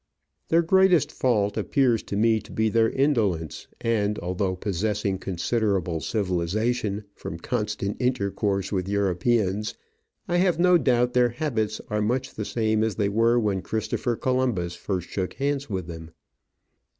Their greatest fault appears to me to be their indolence, and, although possessing considerable civilisation, from constant intercourse with Europeans, I have no doubt their habits are much the same as they were when Christopher Columbus first shook Digitized by VjOOQIC 58 Travels and Adventures hands with them.